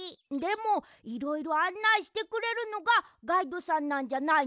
でもいろいろあんないしてくれるのがガイドさんなんじゃないの？